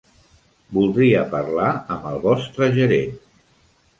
Voldria parlar amb el vostre gerent.